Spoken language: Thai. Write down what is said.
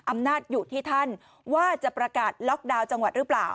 อำนาจอยู่ที่ท่านว่าจะประกาศล็อกดาวน์จังหวัดหรือเปล่า